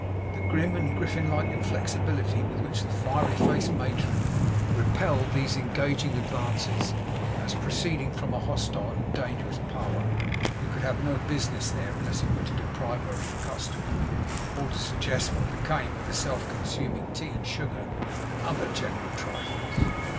The grim and griffin like inflexibility with which the fiery faced matron repelled these engaging advances, as proceeding from a hostile and dangerous power, who could have no business there, unless it were to deprive her of a customer, or suggest what became of the self consuming tea and sugar, and other general trifles.